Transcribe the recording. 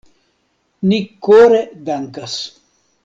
Ni kore dankas.